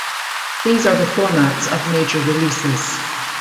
These are the formats of major releases.